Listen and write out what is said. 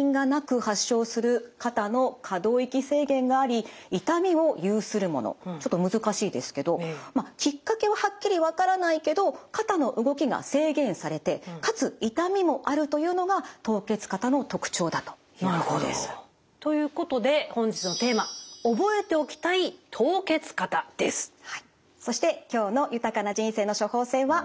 その凍結肩の定義なんですがちょっと難しいですけどきっかけははっきり分からないけど肩の動きが制限されてかつ痛みもあるというのが凍結肩の特徴だということです。ということで本日のテーマそして今日の「豊かな人生の処方せん」は。